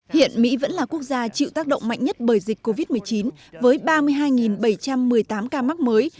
hiện mỹ vẫn là quốc gia chịu tác động mạnh nhất bởi dịch covid một mươi chín với ba mươi hai bảy trăm một mươi tám ca mắc mới